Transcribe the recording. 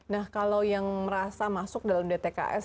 nah kalau yang merasa masuk dalam dtks